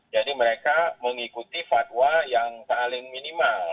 jadi mereka mengikuti fatwa yang paling minimal